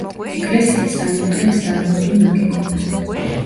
ეკლესია წარმოადგენს დარბაზულ ნაგებობას.